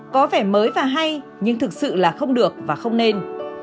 có vẻ mới và hay nhưng thực sự là không được và không nên